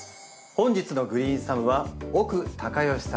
本日のグリーンサムは奥隆善さんです。